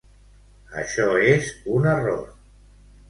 Això és un error.